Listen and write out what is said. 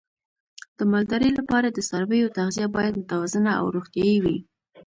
د مالدارۍ لپاره د څارویو تغذیه باید متوازنه او روغتیايي وي.